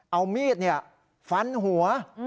เอามีดฟันหัว